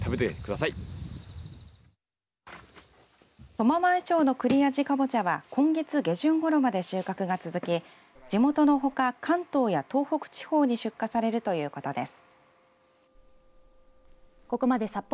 苫前町のくりあじカボチャは今月下旬ごろまで収穫が続き地元のほか関東や東北地方に出荷されるということです。